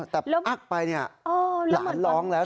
แต่อักไปเนี่ยหลานร้องแล้ว